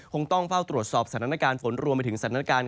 ต้องเฝ้าตรวจสอบสถานการณ์ฝนรวมไปถึงสถานการณ์